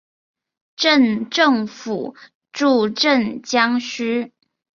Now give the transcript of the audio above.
镇政府驻镇江圩。